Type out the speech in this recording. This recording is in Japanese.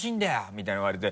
みたいなこと言われて。